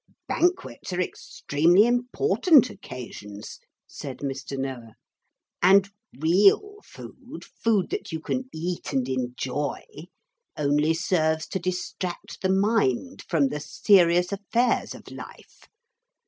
'Banquets are extremely important occasions,' said Mr. Noah, 'and real food food that you can eat and enjoy only serves to distract the mind from the serious affairs of life.